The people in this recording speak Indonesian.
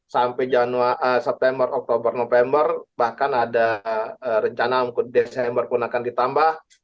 sampai september oktober november bahkan ada rencana untuk desember pun akan ditambah